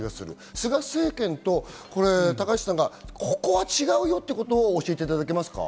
菅政権と高市さんがここは違うよってことを教えていただけますか？